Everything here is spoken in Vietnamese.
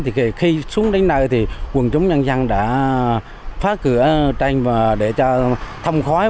thì khi xuống đến nơi thì quần chúng nhân dân đã phát cửa tranh để cho thông khói